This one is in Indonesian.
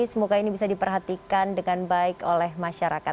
semoga ini bisa diperhatikan dengan baik oleh masyarakat